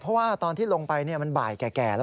เพราะว่าตอนที่ลงไปมันบ่ายแก่แล้ว